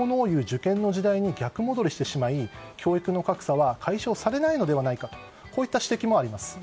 受験の時代に逆戻りしてしまい教育の格差は解消されないのではないかという指摘もあります。